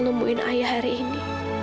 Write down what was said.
menemuin ayah hari ini